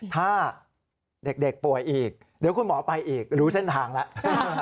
ถ้าเด็กป่วยอีกเดี๋ยวคุณหมอไปอีกรู้เส้นทางแล้ว